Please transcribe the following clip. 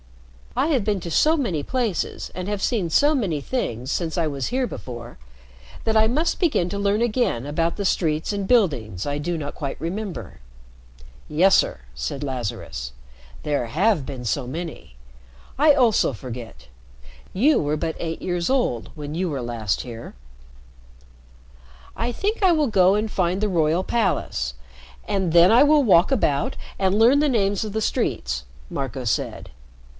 "I have been to so many places, and have seen so many things since I was here before, that I must begin to learn again about the streets and buildings I do not quite remember." "Yes, sir," said Lazarus. "There have been so many. I also forget. You were but eight years old when you were last here." "I think I will go and find the royal palace, and then I will walk about and learn the names of the streets," Marco said.